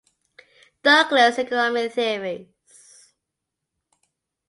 Douglas's economic theories.